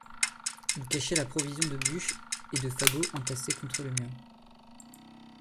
Il cachait la provision de bûches et de fagots entassés contre le mur.